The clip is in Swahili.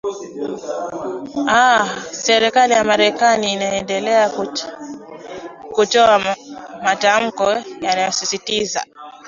aa serikali ya marekani imeendelea kutoa matamko yanayosisitiza